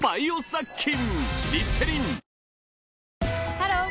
ハロー！